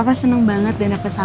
iya papa senang banget dan apa sama